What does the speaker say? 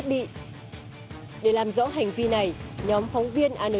cái đấy thì nó sử dụng như thế nào anh